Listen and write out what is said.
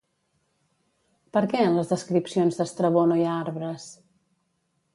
Per què en les descripcions d'Estrabó no hi ha arbres?